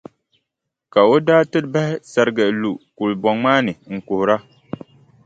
Ka o daa ti bahi sarigi lu kulibɔŋ maa ni n-kuhira.